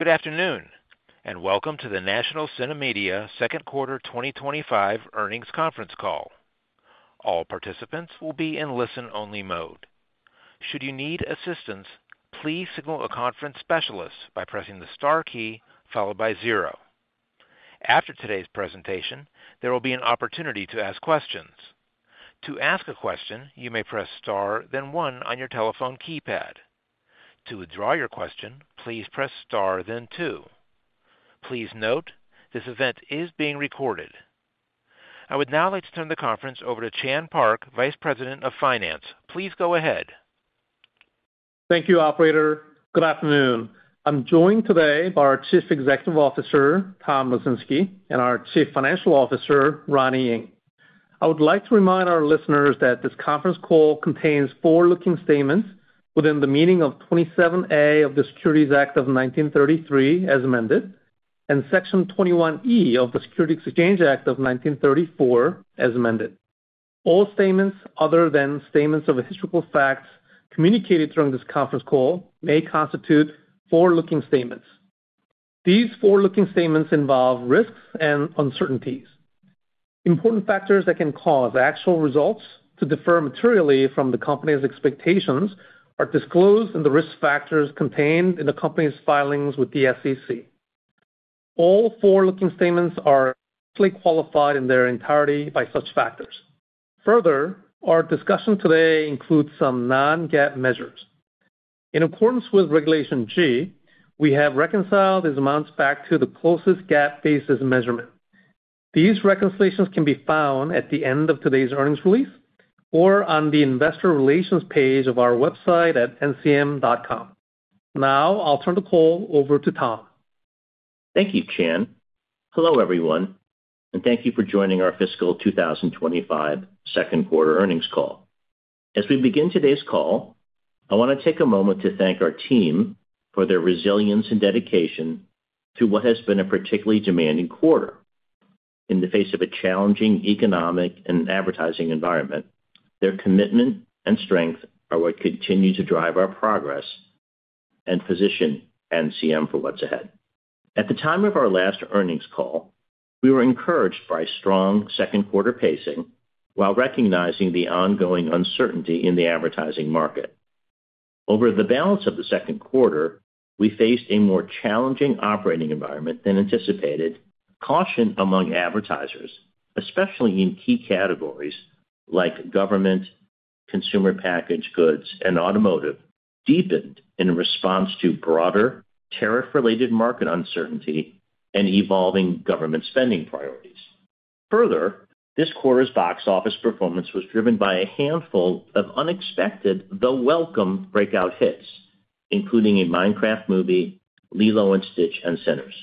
Good afternoon and welcome to the National CineMedia second quarter 2025 earnings conference call. All participants will be in listen-only mode. Should you need assistance, please signal a conference specialist by pressing the star key followed by zero. After today's presentation, there will be an opportunity to ask questions. To ask a question, you may press star, then one on your telephone keypad. To withdraw your question, please press star, then two. Please note, this event is being recorded. I would now like to turn the conference over to Chan Park, Vice President of Finance. Please go ahead. Thank you, Operator. Good afternoon. I'm joined today by our Chief Executive Officer, Tom Lesinski, and our Chief Financial Officer, Ronnie Ng. I would like to remind our listeners that this conference call contains forward-looking statements within the meaning of 27(a) of the Securities Act of 1933 as amended, and Section 21(e) of the Securities Exchange Act of 1934 as amended. All statements other than statements of historical facts communicated during this conference call may constitute forward-looking statements. These forward-looking statements involve risks and uncertainties. Important factors that can cause actual results to differ materially from the company's expectations are disclosed in the risk factors contained in the company's filings with the SEC. All forward-looking statements are qualified in their entirety by such factors. Further, our discussion today includes some non-GAAP measures. In accordance with Regulation G, we have reconciled these amounts back to the closest GAAP basis measurement. These reconciliations can be found at the end of today's earnings release or on the Investor Relations page of our website at ncm.com. Now, I'll turn the call over to Tom. Thank you, Chan. Hello, everyone, and thank you for joining our fiscal 2025 second quarter earnings call. As we begin today's call, I want to take a moment to thank our team for their resilience and dedication through what has been a particularly demanding quarter. In the face of a challenging economic and advertising environment, their commitment and strength are what continue to drive our progress and position NCM for what's ahead. At the time of our last earnings call, we were encouraged by strong second-quarter pacing while recognizing the ongoing uncertainty in the advertising market. Over the balance of the second quarter, we faced a more challenging operating environment than anticipated. Caution among advertisers, especially in key categories like government, consumer packaged goods, and automotive, deepened in response to broader tariff-related market uncertainty and evolving government spending priorities. Further, this quarter's box office performance was driven by a handful of unexpected though welcome breakout hits, including a Minecraft movie, Lilo & Stitch, and Sinners.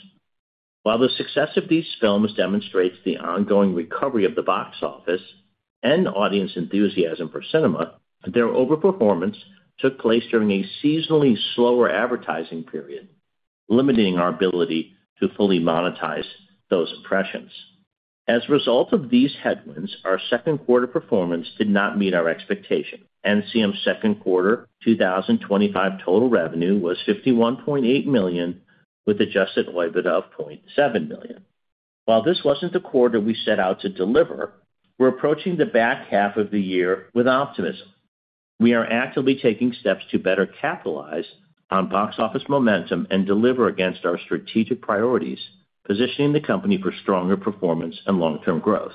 While the success of these films demonstrates the ongoing recovery of the box office and audience enthusiasm for cinema, their overperformance took place during a seasonally slower advertising period, limiting our ability to fully monetize those impressions. As a result of these headwinds, our second-quarter performance did not meet our expectations. National CineMedia's second quarter 2025 total revenue was $51.8 million, with an adjusted EBITDA of $0.7 million. While this wasn't the quarter we set out to deliver, we're approaching the back half of the year with optimism. We are actively taking steps to better capitalize on box office momentum and deliver against our strategic priorities, positioning the company for stronger performance and long-term growth.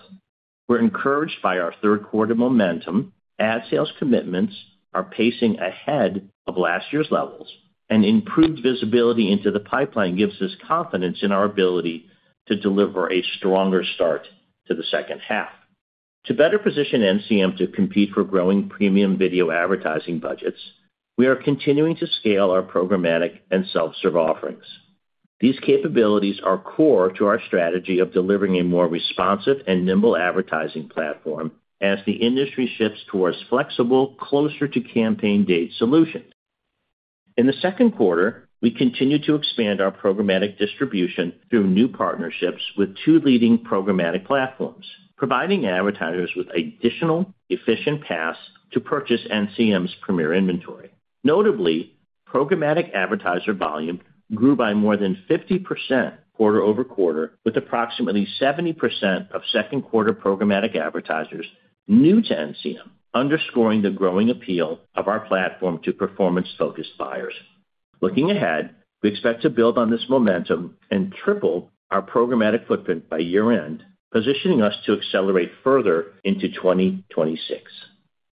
We're encouraged by our third-quarter momentum. Ad sales commitments are pacing ahead of last year's levels, and improved visibility into the pipeline gives us confidence in our ability to deliver a stronger start to the second half. To better position NCM to compete for growing premium video advertising budgets, we are continuing to scale our programmatic and self-serve offerings. These capabilities are core to our strategy of delivering a more responsive and nimble advertising platform as the industry shifts towards flexible, closer-to-campaign date solutions. In the second quarter, we continue to expand our programmatic distribution through new partnerships with two leading programmatic platforms, providing advertisers with additional efficient paths to purchase NCM's premier inventory. Notably, programmatic advertiser volume grew by more than 50% quarter over quarter, with approximately 70% of second-quarter programmatic advertisers new to NCM, underscoring the growing appeal of our platform to performance-focused buyers. Looking ahead, we expect to build on this momentum and triple our programmatic footprint by year-end, positioning us to accelerate further into 2026.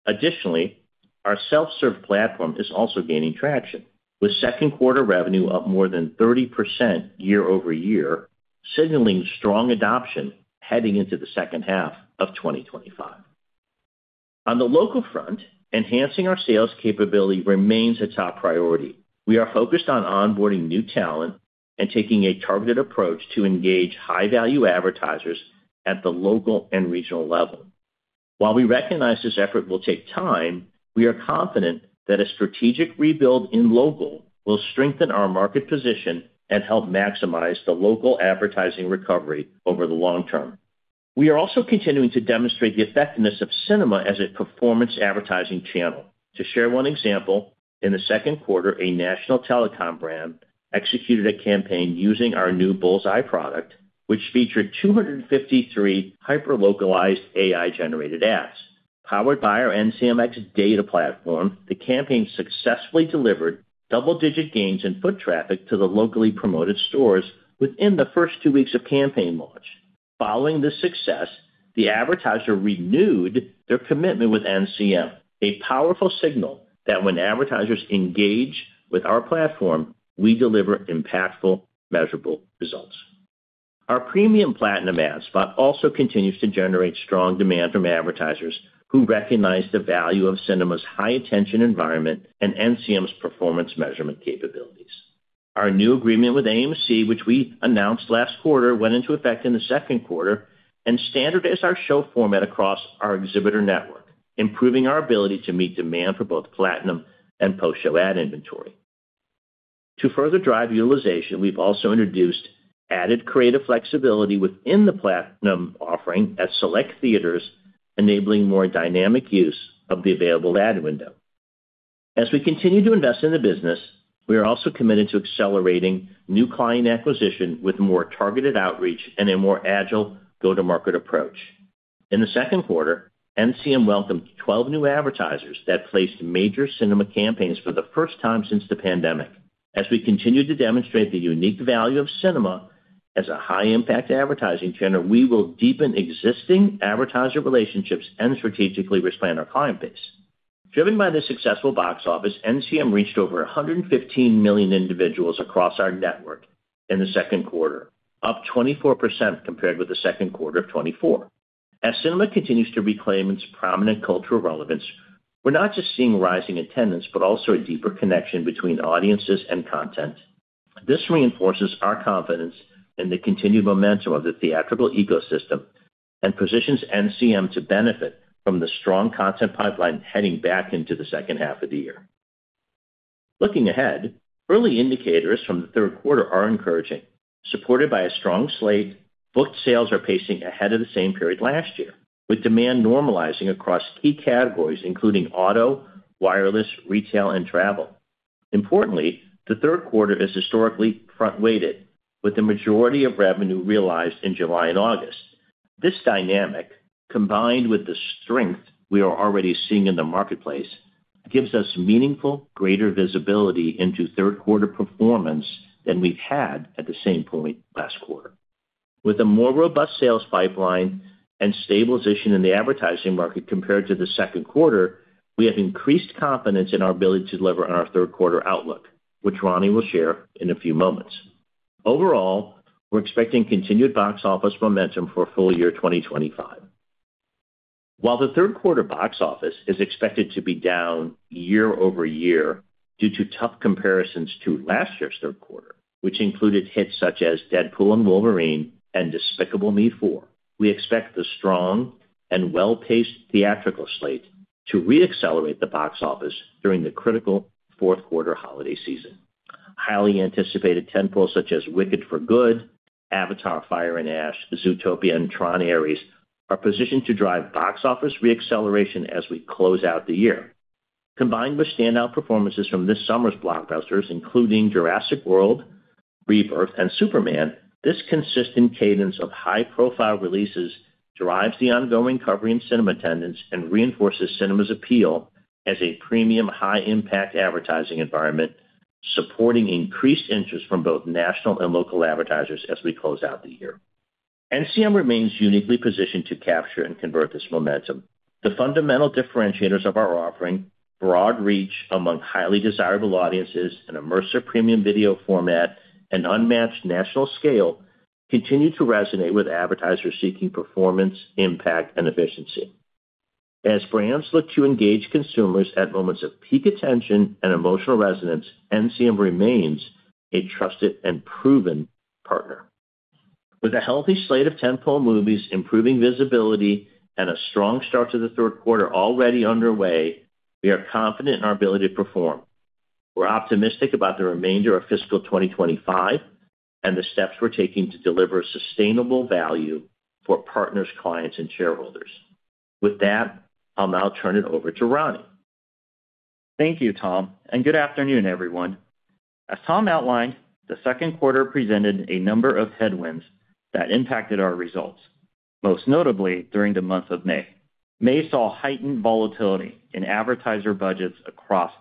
Additionally, our self-serve platform is also gaining traction, with second-quarter revenue up more than 30% year over year, signaling strong adoption heading into the second half of 2025. On the local front, enhancing our sales capability remains a top priority. We are focused on onboarding new talent and taking a targeted approach to engage high-value advertisers at the local and regional level. While we recognize this effort will take time, we are confident that a strategic rebuild in local will strengthen our market position and help maximize the local advertising recovery over the long term. We are also continuing to demonstrate the effectiveness of cinema as a performance advertising channel. To share one example, in the second quarter, a national telecom brand executed a campaign using our new Bullseye product, which featured 253 hyper-localized AI-generated ads. Powered by our NCMX data platform, the campaign successfully delivered double-digit gains in foot traffic to the locally promoted stores within the first two weeks of campaign launch. Following this success, the advertiser renewed their commitment with NCM, a powerful signal that when advertisers engage with our platform, we deliver impactful, measurable results. Our premium Platinum ad spot also continues to generate strong demand from advertisers who recognize the value of cinema's high-attention environment and NCM's performance measurement capabilities. Our new agreement with AMC Theatres, which we announced last quarter, went into effect in the second quarter and standardized our show format across our exhibitor network, improving our ability to meet demand for both Platinum and post-show ad inventory. To further drive utilization, we've also introduced added creative flexibility within the Platinum offering at select theaters, enabling more dynamic use of the available ad window. As we continue to invest in the business, we are also committed to accelerating new client acquisition with more targeted outreach and a more agile go-to-market approach. In the second quarter, National CineMedia welcomed 12 new advertisers that placed major cinema campaigns for the first time since the pandemic. As we continue to demonstrate the unique value of cinema as a high-impact advertising channel, we will deepen existing advertiser relationships and strategically expand our client base. Driven by this successful box office, NCM reached over 115 million individuals across our network in the second quarter, up 24% compared with the second quarter of 2024. As cinema continues to reclaim its prominent cultural relevance, we're not just seeing rising attendance, but also a deeper connection between audiences and content. This reinforces our confidence in the continued momentum of the theatrical ecosystem and positions NCM to benefit from the strong content pipeline heading back into the second half of the year. Looking ahead, early indicators from the third quarter are encouraging. Supported by a strong slate, book sales are pacing ahead of the same period last year, with demand normalizing across key categories, including auto, wireless, retail, and travel. Importantly, the third quarter is historically front-weighted, with the majority of revenue realized in July and August. This dynamic, combined with the strength we are already seeing in the marketplace, gives us meaningful greater visibility into third-quarter performance than we've had at the same point last quarter. With a more robust sales pipeline and stabilization in the advertising market compared to the second quarter, we have increased confidence in our ability to deliver on our third-quarter outlook, which Ronnie will share in a few moments. Overall, we're expecting continued box office momentum for full year 2025. While the third-quarter box office is expected to be down year over year due to tough comparisons to last year's third quarter, which included hits such as Deadpool and Wolverine and Despicable Me 4, we expect the strong and well-paced theatrical slate to re-accelerate the box office during the critical fourth-quarter holiday season. Highly anticipated tentpoles such as Wicked: Part One, Avatar: Fire and Ash, Zootopia, and Tron: Ares are positioned to drive box office re-acceleration as we close out the year. Combined with standout performances from this summer's blockbusters, including Jurassic World, Rebirth, and Superman, this consistent cadence of high-profile releases drives the ongoing recovery in cinema attendance and reinforces cinema's appeal as a premium, high-impact advertising environment, supporting increased interest from both national and local advertisers as we close out the year. NCM remains uniquely positioned to capture and convert this momentum. The fundamental differentiators of our offering, broad reach among highly desirable audiences, an immersive premium video format, and unmatched national scale, continue to resonate with advertisers seeking performance, impact, and efficiency. As brands look to engage consumers at moments of peak attention and emotional resonance, NCM remains a trusted and proven partner. With a healthy slate of tentpole movies, improving visibility, and a strong start to the third quarter already underway, we are confident in our ability to perform. We're optimistic about the remainder of Fiscal 2025 and the steps we're taking to deliver sustainable value for partners, clients, and shareholders. With that, I'll now turn it over to Ronnie. Thank you, Tom, and good afternoon, everyone. As Tom outlined, the second quarter presented a number of headwinds that impacted our results, most notably during the month of May. May saw heightened volatility in advertiser budgets across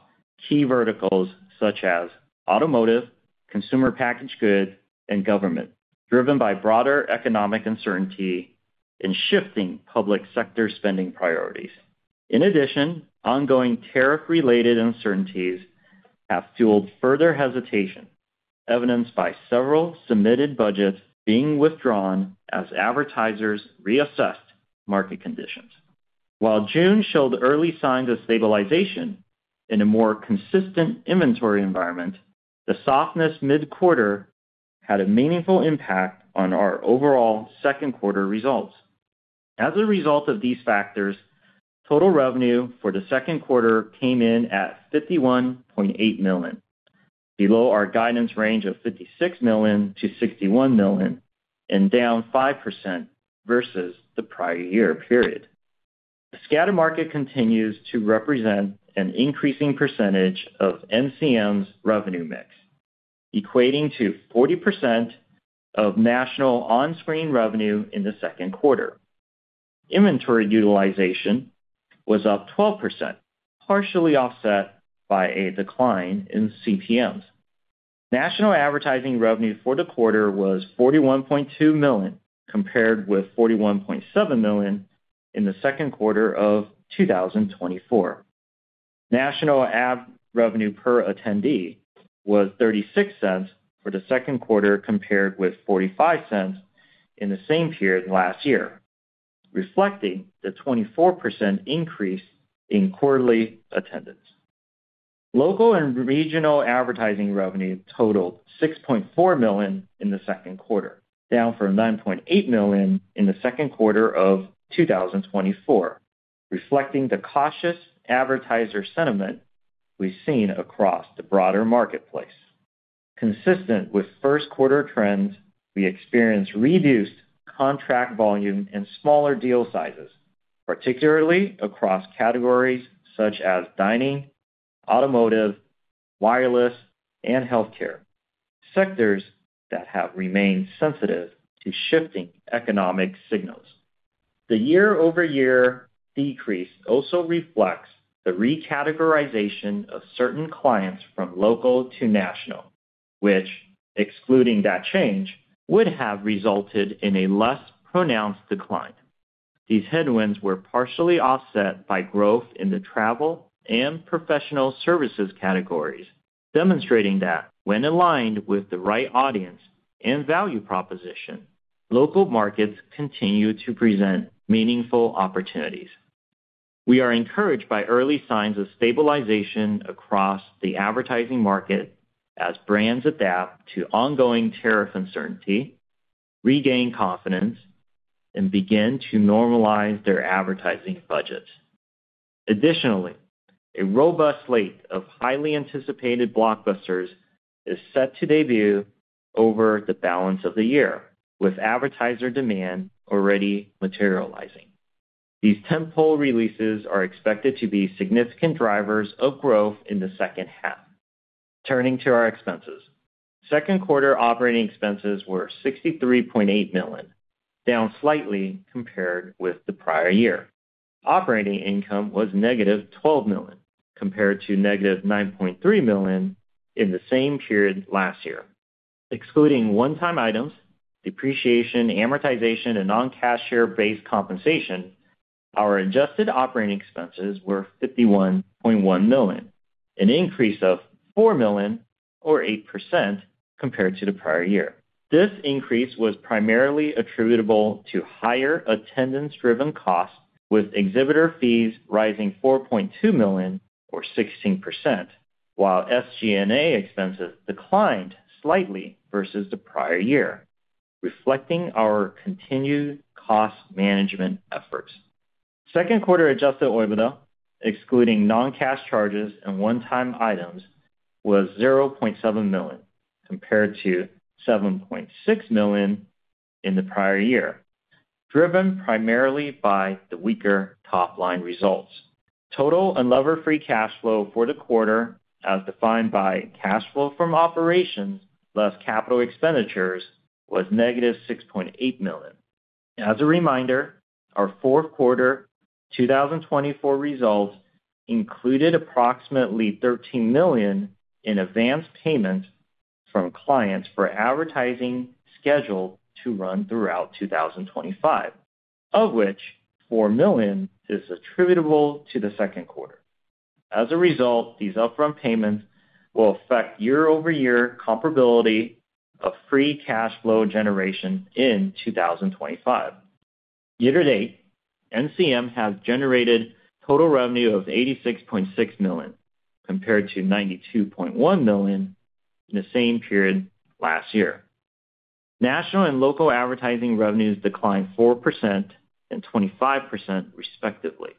key verticals such as automotive, consumer packaged goods, and government, driven by broader economic uncertainty and shifting public sector spending priorities. In addition, ongoing tariff-related uncertainties have fueled further hesitation, evidenced by several submitted budgets being withdrawn as advertisers reassessed market conditions. While June showed early signs of stabilization in a more consistent inventory environment, the softness mid-quarter had a meaningful impact on our overall second-quarter results. As a result of these factors, total revenue for the second quarter came in at $51.8 million, below our guidance range of $56 million-$61 million, and down 5% versus the prior year period. The Scatter market continues to represent an increasing percentage of NCM's revenue mix, equating to 40% of national on-screen revenue in the second quarter. Inventory utilization was up 12%, partially offset by a decline in CPMs. National advertising revenue for the quarter was $41.2 million, compared with $41.7 million in the second quarter of 2024. National ad revenue per attendee was $0.36 for the second quarter, compared with $0.45 in the same period last year, reflecting the 24% increase in quarterly attendance. Local and regional advertising revenue totaled $6.4 million in the second quarter, down from $9.8 million in the second quarter of 2024, reflecting the cautious advertiser sentiment we've seen across the broader marketplace. Consistent with first-quarter trends, we experienced reduced contract volume and smaller deal sizes, particularly across categories such as dining, automotive, wireless, and healthcare, sectors that have remained sensitive to shifting economic signals. The year-over-year decrease also reflects the recategorization of certain clients from local to national, which, excluding that change, would have resulted in a less pronounced decline. These headwinds were partially offset by growth in the travel and professional services categories, demonstrating that when aligned with the right audience and value proposition, local markets continue to present meaningful opportunities. We are encouraged by early signs of stabilization across the advertising market as brands adapt to ongoing tariff uncertainty, regain confidence, and begin to normalize their advertising budgets. Additionally, a robust slate of highly anticipated blockbusters is set to debut over the balance of the year, with advertiser demand already materializing. These tentpole releases are expected to be significant drivers of growth in the second half. Turning to our expenses, second-quarter operating expenses were $63.8 million, down slightly compared with the prior year. Operating income was -$12 million compared to -$9.3 million in the same period last year. Excluding one-time items, depreciation, amortization, and non-cash-share-based compensation, our adjusted operating expenses were $51.1 million, an increase of $4 million or 8% compared to the prior year. This increase was primarily attributable to higher attendance-driven costs, with exhibitor fees rising $4.2 million or 16%, while SG&A expenses declined slightly versus the prior year, reflecting our continued cost management efforts. Second-quarter Adjusted EBITDA, excluding non-cash charges and one-time items, was $0.7 million compared to $7.6 million in the prior year, driven primarily by the weaker top-line results. Total unlevered free cash flow for the quarter, as defined by cash flow from operations less capital expenditures, was -$6.8 million. As a reminder, our fourth-quarter 2024 results included approximately $13 million in advance payment from clients for advertising scheduled to run throughout 2025, of which $4 million is attributable to the second quarter. As a result, these Upfront payments will affect year-over-year comparability of free cash flow generation in 2025. Year to date, NCM has generated total revenue of $86.6 million compared to $92.1 million in the same period last year. National and local advertising revenues declined 4% and 25% respectively,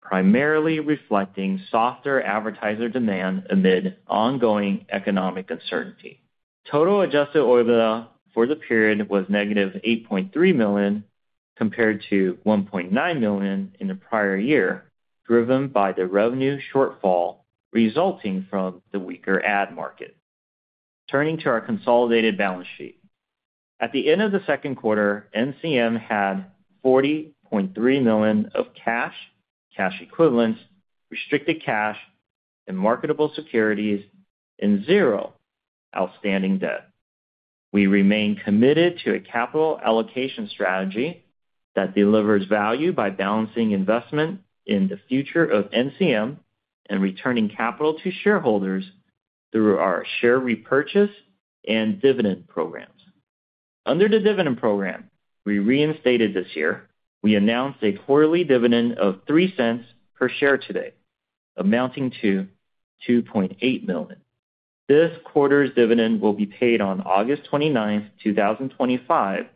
primarily reflecting softer advertiser demand amid ongoing economic uncertainty. Total adjusted EBITDA for the period was -$8.3 million compared to $1.9 million in the prior year, driven by the revenue shortfall resulting from the weaker ad market. Turning to our consolidated balance sheet. At the end of the second quarter, NCM had $40.3 million of cash, cash equivalents, restricted cash, and marketable securities, and zero outstanding debt. We remain committed to a capital allocation strategy that delivers value by balancing investment in the future of NCM and returning capital to shareholders through our share repurchase and dividend programs. Under the dividend program we reinstated this year, we announced a quarterly dividend of $0.03 per share today, amounting to $2.8 million. This quarter's dividend will be paid on August 29, 2025,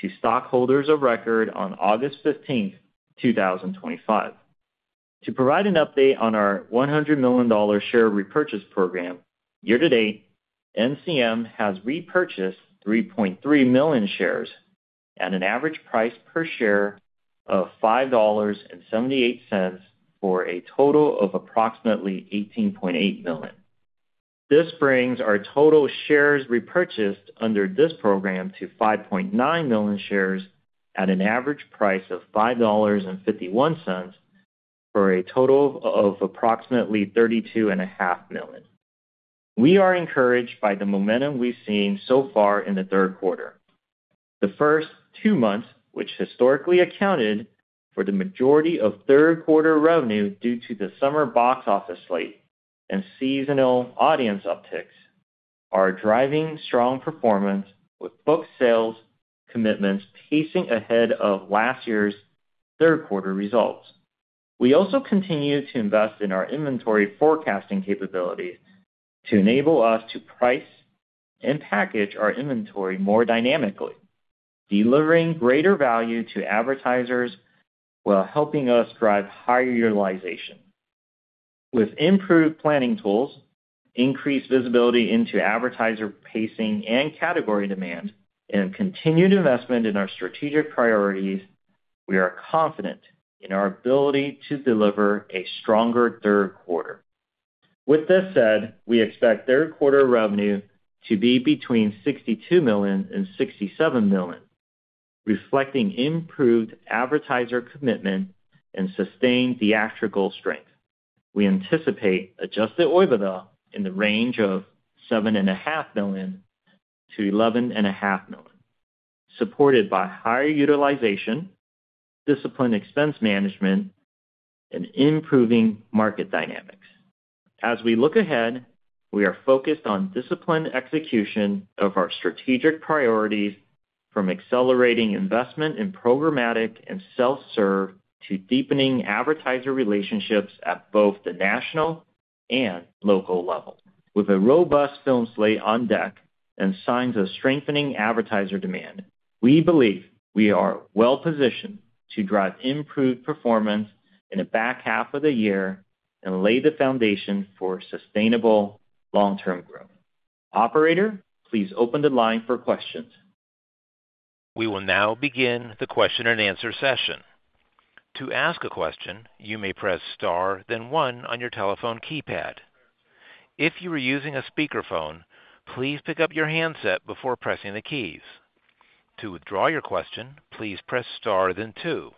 to stockholders of record on August 15, 2025. To provide an update on our $100 million share repurchase program, year to date, NCM has repurchased 3.3 million shares at an average price per share of $5.78 for a total of approximately $18.8 million. This brings our total shares repurchased under this program to 5.9 million shares at an average price of $5.51 for a total of approximately $32.5 million. We are encouraged by the momentum we've seen so far in the third quarter. The first two months, which historically accounted for the majority of third-quarter revenue due to the summer box office slate and seasonal audience upticks, are driving strong performance, with book sales commitments pacing ahead of last year's third-quarter results. We also continue to invest in our inventory forecasting capabilities to enable us to price and package our inventory more dynamically, delivering greater value to advertisers while helping us drive higher utilization. With improved planning tools, increased visibility into advertiser pacing and category demand, and continued investment in our strategic priorities, we are confident in our ability to deliver a stronger third quarter. With this said, we expect third-quarter revenue to be between $62 million and $67 million, reflecting improved advertiser commitment and sustained theatrical strength. We anticipate adjusted EBITDA in the range of $7.5 million-$11.5 million, supported by higher utilization, disciplined expense management, and improving market dynamics. As we look ahead, we are focused on disciplined execution of our strategic priorities, from accelerating investment in Programmatic and Self-serve platforms to deepening advertiser relationships at both the national and local level. With a robust film slate on deck and signs of strengthening advertiser demand, we believe we are well-positioned to drive improved performance in the back half of the year and lay the foundation for sustainable long-term growth. Operator, please open the line for questions. We will now begin the question and answer session. To ask a question, you may press star, then one on your telephone keypad. If you are using a speakerphone, please pick up your handset before pressing the keys. To withdraw your question, please press star, then two.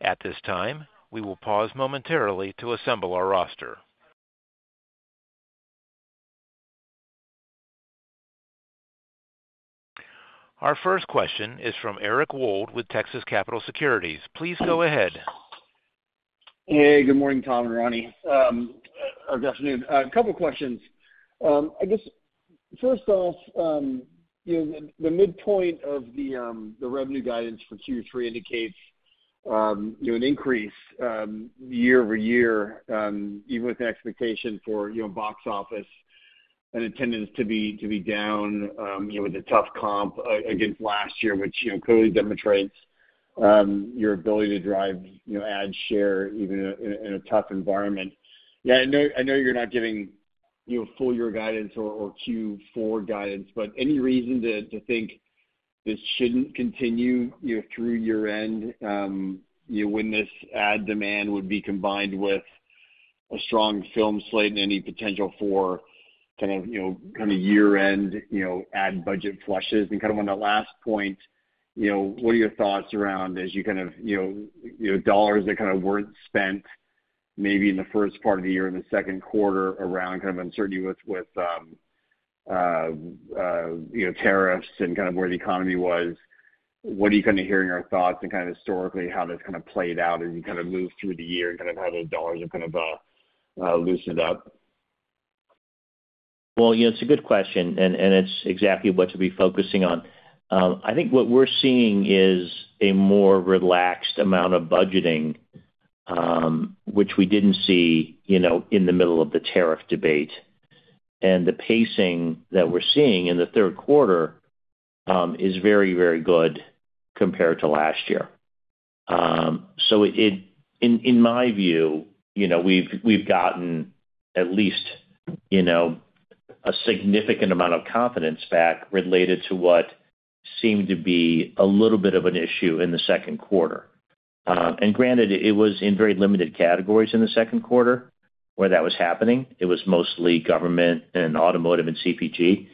At this time, we will pause momentarily to assemble our roster. Our first question is from Eric Wold with Texas Capital Securities. Please go ahead. Hey, good morning, Tom, and Ronnie. Good afternoon. A couple of questions. I guess first off, you know the midpoint of the revenue guidance for Q3 indicates an increase year over year, even with the expectation for box office and attendance to be down with a tough comp against last year, which clearly demonstrates your ability to drive ad share even in a tough environment. I know you're not giving full year guidance or Q4 guidance, but any reason to think this shouldn't continue through year-end when this ad demand would be combined with a strong film slate and any potential for kind of year-end ad budget flushes? On that last point, what are your thoughts around as you kind of, you know, dollars that kind of weren't spent maybe in the first part of the year in the second quarter around kind of uncertainty with tariffs and kind of where the economy was? What are you hearing or thoughts and historically how that's played out as you move through the year and how the dollars have loosened up? It's a good question, and it's exactly what to be focusing on. I think what we're seeing is a more relaxed amount of budgeting, which we didn't see in the middle of the tariff debate. The pacing that we're seeing in the third quarter is very, very good compared to last year. In my view, we've gotten at least a significant amount of confidence back related to what seemed to be a little bit of an issue in the second quarter. Granted, it was in very limited categories in the second quarter where that was happening. It was mostly government and automotive and CPG.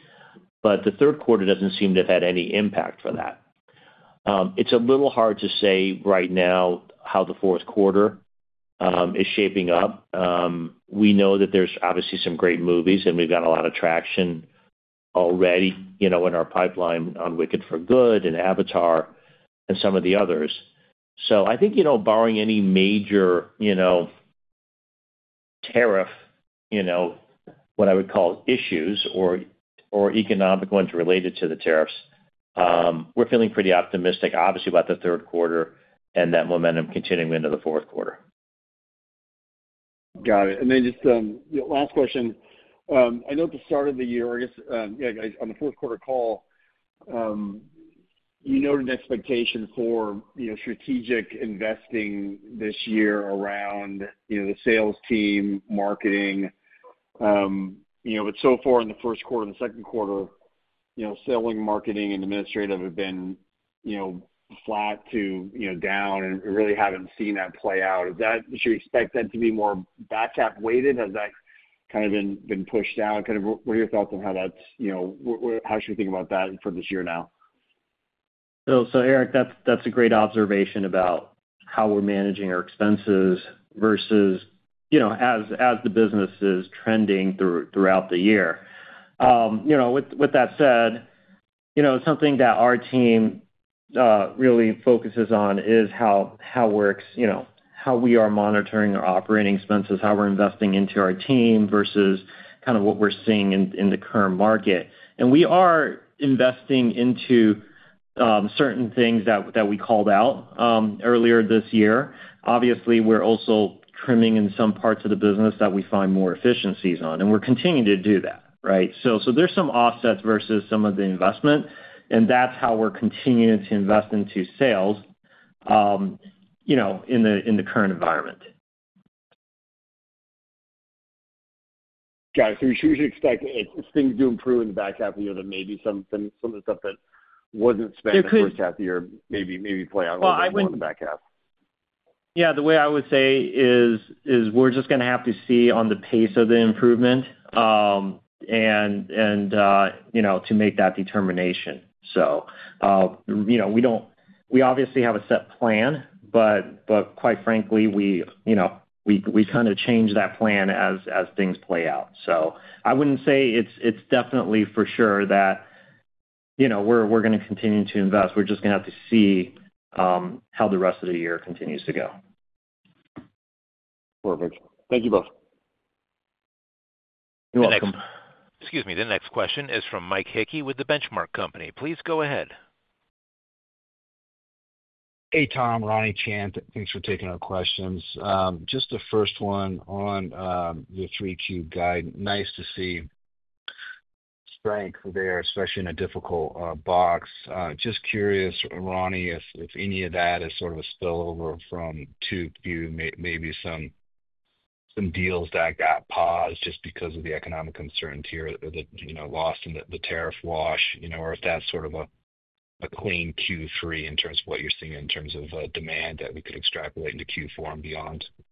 The third quarter doesn't seem to have had any impact for that. It's a little hard to say right now how the fourth quarter is shaping up. We know that there's obviously some great movies, and we've got a lot of traction already in our pipeline on Wicked: Part One and Avatar: Fire and Ash and some of the others. I think, barring any major tariff issues or economic ones related to the tariffs, we're feeling pretty optimistic, obviously, about the third quarter and that momentum continuing into the fourth quarter. Got it. Just last question. I know at the start of the year, on the fourth-quarter call, you noted expectations for strategic investing this year around the sales team and marketing. So far in the first quarter and the second quarter, selling, marketing, and administrative have been flat to down and really haven't seen that play out. Should we expect that to be more back-half weighted? Has that kind of been pushed down? What are your thoughts on how that's, how should we think about that for this year now? Eric, that's a great observation about how we're managing our expenses versus, you know, as the business is trending throughout the year. With that said, something that our team really focuses on is how we are monitoring our operating expenses, how we're investing into our team versus kind of what we're seeing in the current market. We are investing into certain things that we called out earlier this year. Obviously, we're also trimming in some parts of the business that we find more efficiencies on, and we're continuing to do that, right? There's some offsets versus some of the investment, and that's how we're continuing to invest into sales in the current environment. Got it. You should expect things to improve in the back half of the year, and maybe some of the stuff that wasn't spent in the first half of the year may play out in the back half. Yeah, the way I would say is we're just going to have to see on the pace of the improvement and, you know, to make that determination. We obviously have a set plan, but quite frankly, we kind of change that plan as things play out. I wouldn't say it's definitely for sure that we're going to continue to invest. We're just going to have to see how the rest of the year continues to go. Perfect. Thank you both. You're welcome. Excuse me. The next question is from Mike Hickey with The Benchmark Company. Please go ahead. Hey, Tom, Ronnie, Chan, thanks for taking our questions. Just the first one on your Q3 guidance. Nice to see strength there, especially in a difficult box. Just curious, Ronnie, if any of that is sort of a spillover from Q2, maybe some deals that got paused just because of the economic concerns here, the loss in the tariff wash, you know, or if that's sort of a clean Q3 in terms of what you're seeing in terms of demand that we could extrapolate into Q4 and beyond. Yeah,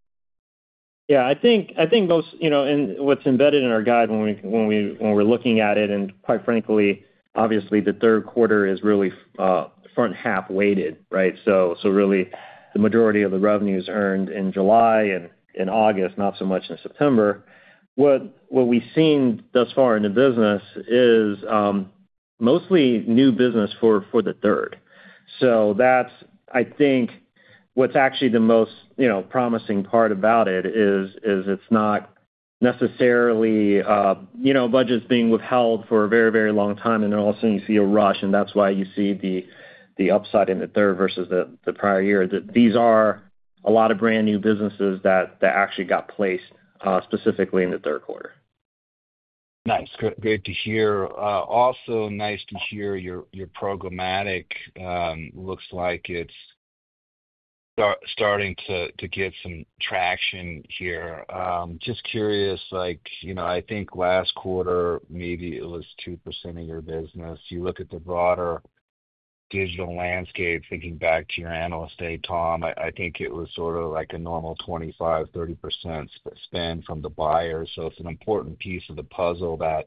I think most, you know, and what's embedded in our guide when we're looking at it, and quite frankly, obviously, the third quarter is really front-half weighted, right? Really, the majority of the revenues earned in July and in August, not so much in September. What we've seen thus far in the business is mostly new business for the third. I think what's actually the most, you know, promising part about it is it's not necessarily, you know, budgets being withheld for a very, very long time, and then all of a sudden you see a rush, and that's why you see the upside in the third versus the prior year. These are a lot of brand new businesses that actually got placed specifically in the third quarter. Nice. Great to hear. Also, nice to hear your programmatic looks like it's starting to get some traction here. Just curious, like, you know, I think last quarter maybe it was 2% of your business. You look at the broader digital landscape, thinking back to your analyst day, Tom, I think it was sort of like a normal 25%, 30% spend from the buyers. It's an important piece of the puzzle that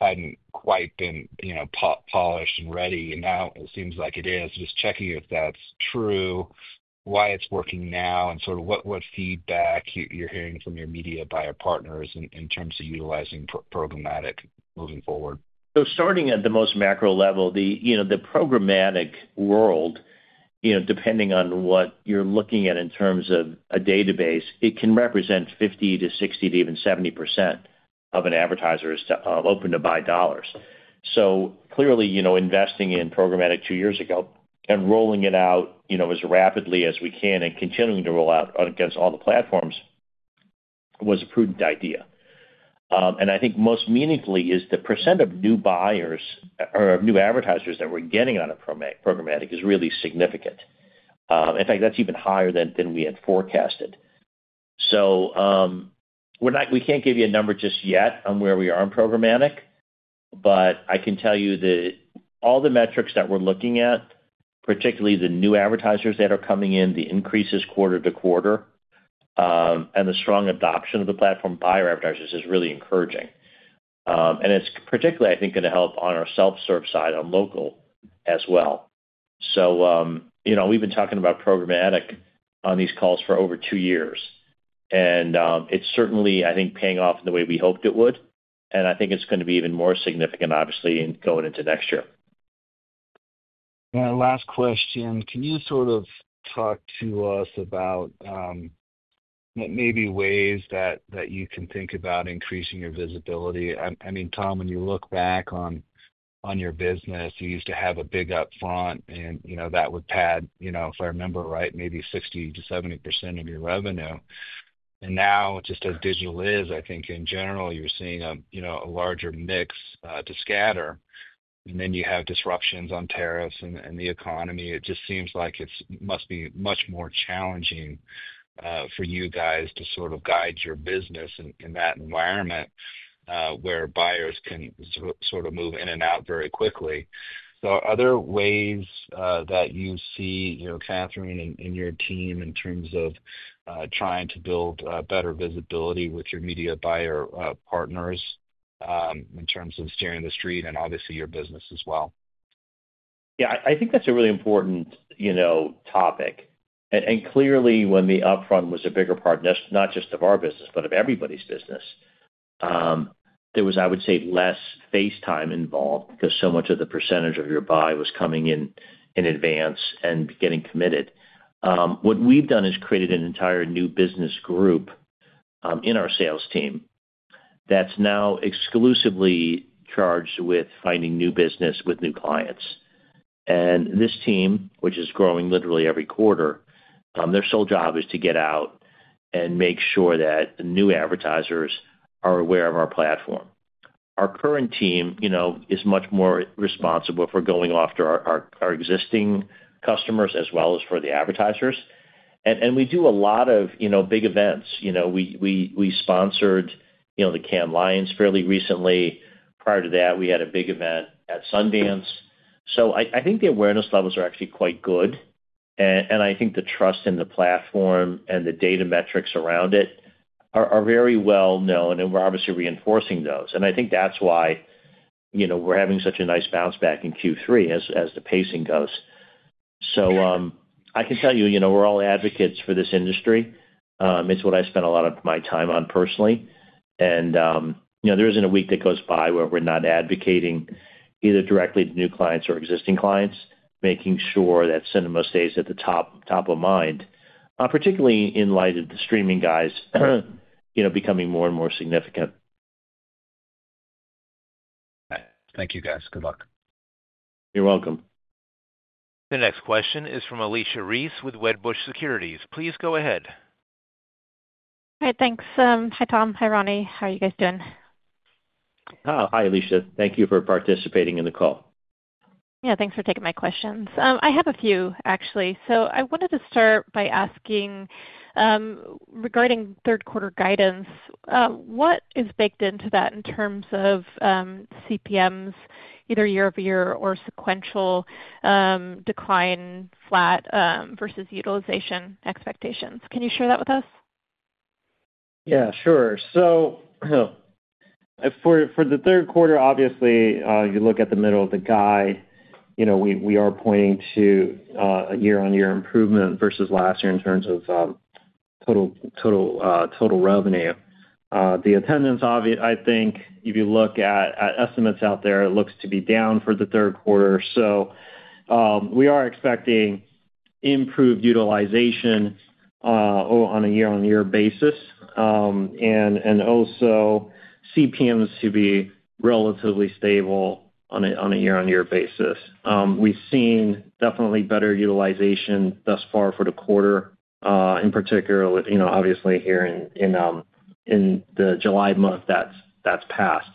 hadn't quite been, you know, polished and ready, and now it seems like it is. Just checking if that's true, why it's working now, and sort of what feedback you're hearing from your media buyer partners in terms of utilizing programmatic moving forward. Starting at the most macro level, the programmatic world, depending on what you're looking at in terms of a database, can represent 50% to 60% to even 70% of an advertiser's open-to-buy dollars. Clearly, investing in programmatic two years ago and rolling it out as rapidly as we can and continuing to roll out against all the platforms was a prudent idea. I think most meaningfully is the percent of new buyers or new advertisers that we're getting on programmatic is really significant. In fact, that's even higher than we had forecasted. We can't give you a number just yet on where we are on programmatic, but I can tell you that all the metrics that we're looking at, particularly the new advertisers that are coming in, the increases quarter to quarter, and the strong adoption of the platform by our advertisers is really encouraging. It's particularly, I think, going to help on our self-serve side on local as well. We've been talking about programmatic on these calls for over two years, and it's certainly, I think, paying off in the way we hoped it would, and I think it's going to be even more significant, obviously, going into next year. Last question. Can you sort of talk to us about maybe ways that you can think about increasing your visibility? I mean, Tom, when you look back on your business, you used to have a big Upfront, and you know that would pad, if I remember right, maybe 60%-70% of your revenue. Now, just as digital is, I think in general, you're seeing a larger mix to Scatter. You have disruptions on tariffs and the economy. It just seems like it must be much more challenging for you guys to sort of guide your business in that environment where buyers can move in and out very quickly. Are there other ways that you see, you know, Katherine and your team in terms of trying to build better visibility with your media buyer partners in terms of steering the street and obviously your business as well? Yeah, I think that's a really important topic. Clearly, when the Upfront was a bigger part, not just of our business, but of everybody's business, there was, I would say, less face time involved because so much of the % of your buy was coming in in advance and getting committed. What we've done is created an entire new business group in our sales team that's now exclusively charged with finding new business with new clients. This team, which is growing literally every quarter, their sole job is to get out and make sure that new advertisers are aware of our platform. Our current team is much more responsible for going after our existing customers as well as for the advertisers. We do a lot of big events. We sponsored the Cannes Lions fairly recently. Prior to that, we had a big event at Sundance. I think the awareness levels are actually quite good. I think the trust in the platform and the data metrics around it are very well known, and we're obviously reinforcing those. I think that's why we're having such a nice bounce back in Q3 as the pacing goes. I can tell you we're all advocates for this industry. It's what I spent a lot of my time on personally. There isn't a week that goes by where we're not advocating either directly to new clients or existing clients, making sure that cinema stays at the top of mind, particularly in light of the streaming guys becoming more and more significant. Thank you, guys. Good luck. You're welcome. The next question is from Alicia Reese with Wedbush Securities. Please go ahead. Hi, thanks. Hi, Tom. Hi, Ronnie. How are you guys doing? Hi, Alicia. Thank you for participating in the call. Yeah, thanks for taking my questions. I have a few, actually. I wanted to start by asking regarding third-quarter guidance. What is baked into that in terms of CPMs, either year-over-year or sequential decline, flat versus utilization expectations? Can you share that with us? Yeah, sure. For the third quarter, obviously, you look at the middle of the guide, you know, we are pointing to a year-on-year improvement versus last year in terms of total revenue. The attendance, obviously, I think if you look at estimates out there, it looks to be down for the third quarter. We are expecting improved utilization on a year-on-year basis and also CPMs to be relatively stable on a year-on-year basis. We've seen definitely better utilization thus far for the quarter, in particular, you know, obviously here in the July month that's passed.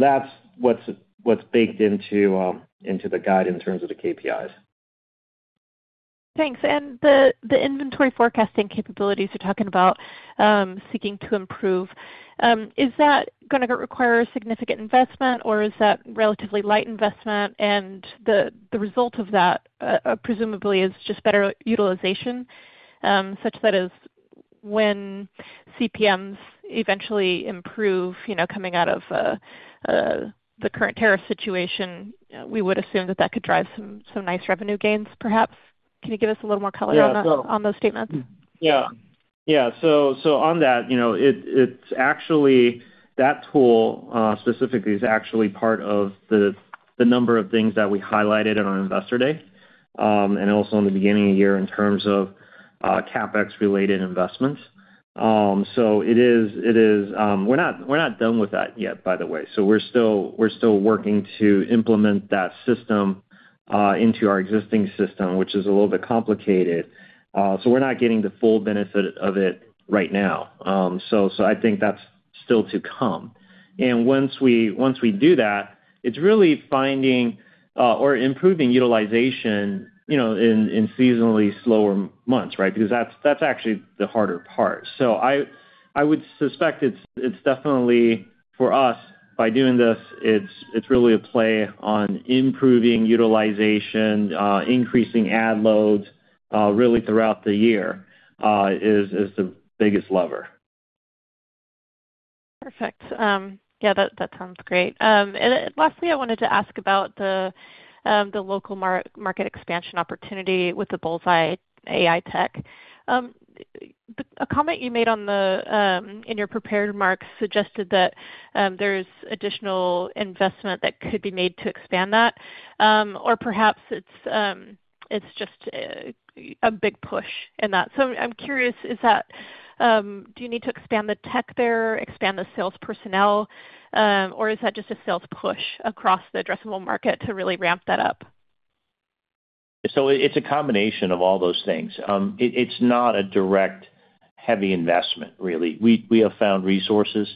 That's what's baked into the guide in terms of the KPIs. Thanks. The inventory forecasting capabilities you're talking about seeking to improve, is that going to require a significant investment, or is that relatively light investment? The result of that, presumably, is just better utilization, such that as when CPMs eventually improve, you know, coming out of the current tariff situation, we would assume that that could drive some nice revenue gains, perhaps. Can you give us a little more color on those statements? Yeah. On that, it's actually that tool specifically is actually part of the number of things that we highlighted on Investor Day and also in the beginning of the year in terms of CapEx-related investments. It is, we're not done with that yet, by the way. We're still working to implement that system into our existing system, which is a little bit complicated. We're not getting the full benefit of it right now. I think that's still to come. Once we do that, it's really finding or improving utilization, you know, in seasonally slower months, right? That's actually the harder part. I would suspect it's definitely for us, by doing this, it's really a play on improving utilization, increasing ad loads really throughout the year is the biggest lever. Perfect. Yeah, that sounds great. Lastly, I wanted to ask about the local market expansion opportunity with the Bullseye AI tech. A comment you made in your prepared remarks suggested that there's additional investment that could be made to expand that, or perhaps it's just a big push in that. I'm curious, do you need to expand the tech there, expand the sales personnel, or is that just a sales push across the addressable market to really ramp that up? It is a combination of all those things. It is not a direct heavy investment, really. We have found resources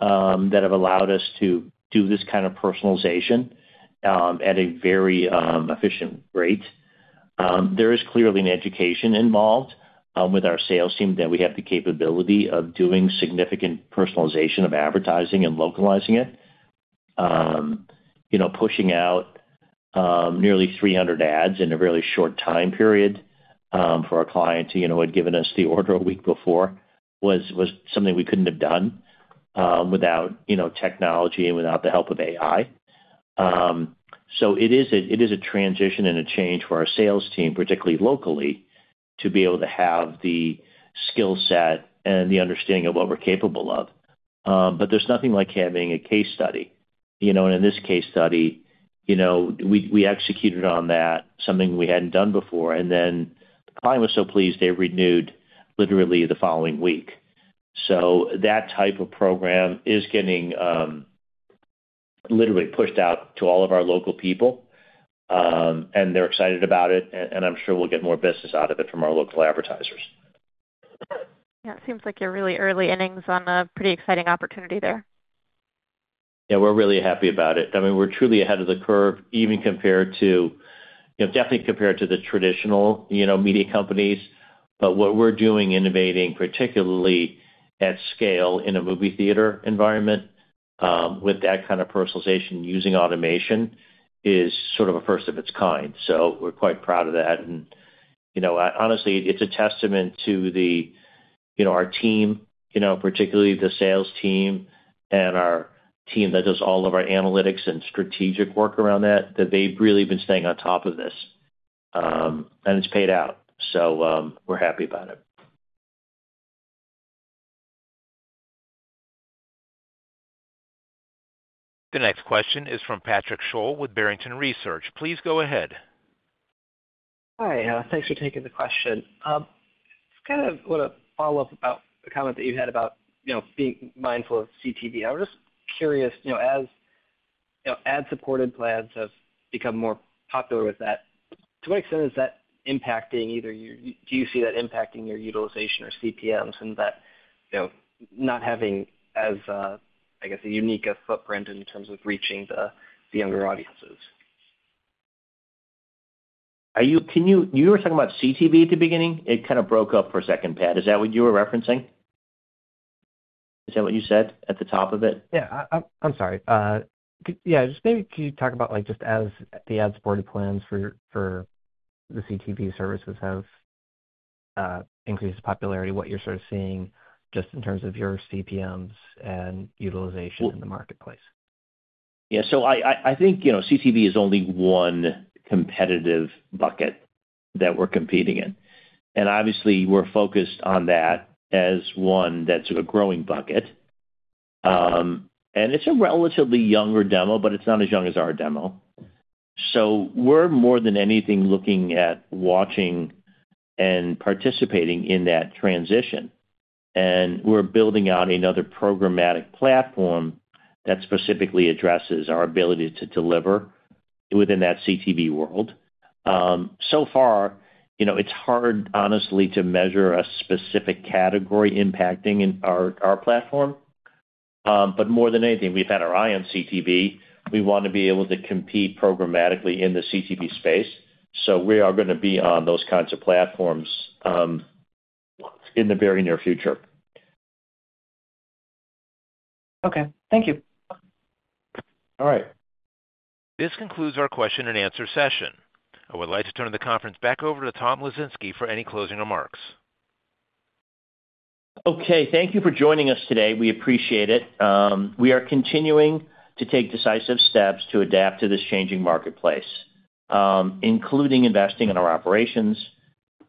that have allowed us to do this kind of personalization at a very efficient rate. There is clearly an education involved with our sales team that we have the capability of doing significant personalization of advertising and localizing it. Pushing out nearly 300 ads in a really short time period for our clients who had given us the order a week before was something we could not have done without technology and without the help of AI. It is a transition and a change for our sales team, particularly locally, to be able to have the skill set and the understanding of what we are capable of. There is nothing like having a case study. In this case study, we executed on that, something we had not done before, and then the client was so pleased, they renewed literally the following week. That type of program is getting literally pushed out to all of our local people, and they are excited about it, and I am sure we will get more business out of it from our local advertisers. Yeah, it seems like you're really early innings on a pretty exciting opportunity there. Yeah, we're really happy about it. I mean, we're truly ahead of the curve, even compared to, you know, definitely compared to the traditional, you know, media companies. What we're doing innovating, particularly at scale in a movie theater environment, with that kind of personalization using automation, is sort of a first of its kind. We're quite proud of that. Honestly, it's a testament to our team, particularly the sales team and our team that does all of our analytics and strategic work around that, that they've really been staying on top of this, and it's paid out. We're happy about it. The next question is from Patrick Sholl with Barrington Research. Please go ahead. Hi, thanks for taking the question. I want to follow up about the comment that you had about being mindful of CTV. I was just curious, as ad-supported plans have become more popular with that, to what extent is that impacting either your, do you see that impacting your utilization or CPMs and that, not having as, I guess, a unique footprint in terms of reaching the younger audiences? Can you, you were talking about CTV at the beginning? It kind of broke up for a second, Pat. Is that what you were referencing? Is that what you said at the top of it? Yeah, I'm sorry. Could you talk about, as the ad-supported plans for the CTV services have increased popularity, what you're seeing in terms of your CPMs and utilization in the marketplace? Yeah, I think CTV is only one competitive bucket that we're competing in. Obviously, we're focused on that as one that's a growing bucket. It's a relatively younger demo, but it's not as young as our demo. We're more than anything looking at watching and participating in that transition. We're building out another programmatic platform that specifically addresses our ability to deliver within that CTV world. So far, it's hard, honestly, to measure a specific category impacting our platform. More than anything, we've had our eye on CTV. We want to be able to compete programmatically in the CTV space. We are going to be on those kinds of platforms in the very near future. Okay, thank you. All right. This concludes our question and answer session. I would like to turn the conference back over to Tom Lesinski for any closing remarks. Thank you for joining us today. We appreciate it. We are continuing to take decisive steps to adapt to this changing marketplace, including investing in our operations,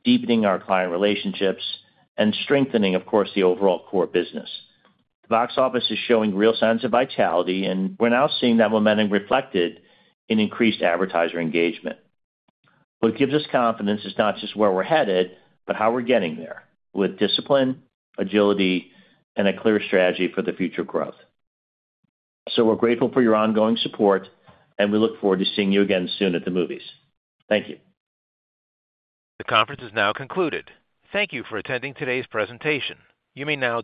deepening our client relationships, and strengthening, of course, the overall core business. Box office is showing real signs of vitality, and we're now seeing that momentum reflected in increased advertiser engagement. What gives us confidence is not just where we're headed, but how we're getting there with discipline, agility, and a clear strategy for the future growth. We are grateful for your ongoing support, and we look forward to seeing you again soon at the movies. Thank you. The conference is now concluded. Thank you for attending today's presentation. You may now.